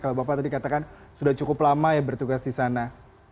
kalau bapak tadi katakan sudah cukup lama ya bertugas di sana